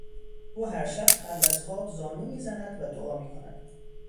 او هرشب قبل از خواب زانو میزند و دعا میکند.